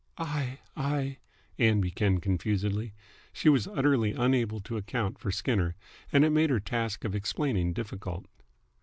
"I I " Ann began confusedly. She was utterly unable to account for Skinner, and it made her task of explaining difficult.